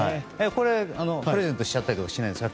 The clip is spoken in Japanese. プレゼントしちゃったりとかしないんですか？